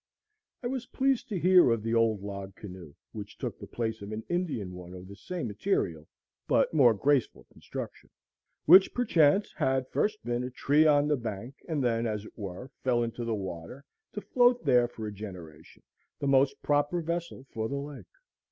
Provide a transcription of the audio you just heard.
I was pleased to hear of the old log canoe, which took the place of an Indian one of the same material but more graceful construction, which perchance had first been a tree on the bank, and then, as it were, fell into the water, to float there for a generation, the most proper vessel for the lake.